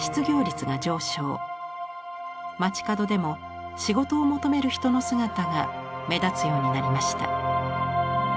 街角でも仕事を求める人の姿が目立つようになりました。